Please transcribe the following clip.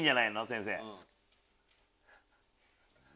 先生。